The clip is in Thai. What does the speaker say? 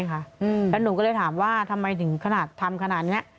แล้วหนูก็เลยถามว่าทำไมถึงขนาดทำขนาดนี้